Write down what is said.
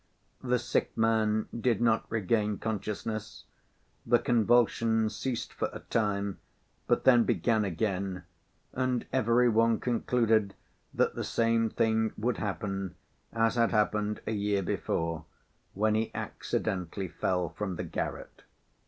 The sick man did not regain consciousness; the convulsions ceased for a time, but then began again, and every one concluded that the same thing would happen, as had happened a year before, when he accidentally fell from the garret.